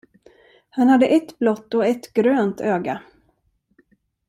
Han hade ett blått och ett grönt öga.